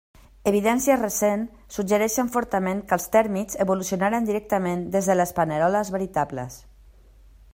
Evidències recents suggereixen fortament que els tèrmits evolucionaren directament des de les paneroles veritables.